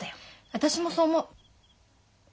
私もそう思う。